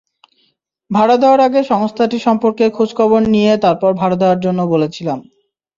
ভাড়া দেওয়ার আগে সংস্থাটি সম্পর্কে খোঁজখবর নিয়ে তারপর ভাড়া দেওয়ার জন্য বলেছিলাম।